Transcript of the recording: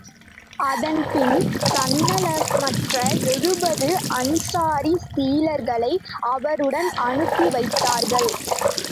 அதன்பின், தன்னலமற்ற எழுபது அன்சாரிச் சீலர்களை அவருடன் அனுப்பிவைத்தார்கள்.